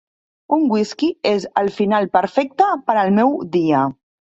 Un whisky és el final perfecte per al meu dia.